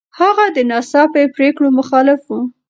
هغه د ناڅاپي پرېکړو مخالف و.